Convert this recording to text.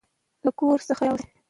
له کور څخه راوستې.